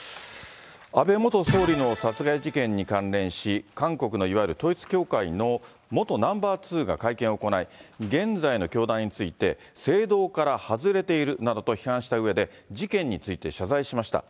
安倍元総理の殺害事件に関連し、韓国のいわゆる統一教会の元ナンバー２が会見を行い、現在の教団について、正道から外れているなどと批判したうえで、事件について謝罪しました。